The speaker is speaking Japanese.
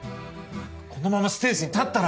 このままステージに立ったら！